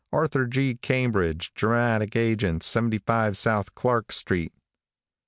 Arthur G. Cambridge, dramatic agent, 75 South Clark street."